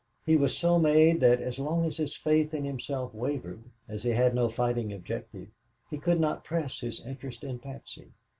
He was so made that as long as his faith in himself wavered, as he had no fighting objective, he could not press his interest in Patsy.